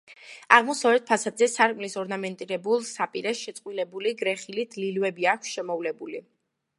აღმოსავლეთ ფასადზე სარკმლის ორნამენტირებულ საპირეს შეწყვილებული გრეხილით ლილვები აქვს შემოვლებული.